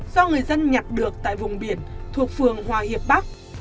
do người dân nhặt được tại vùng biển thuộc phương hoa hiệp bắc